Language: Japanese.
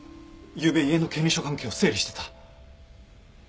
ゆうべ家の権利書関係を整理してた。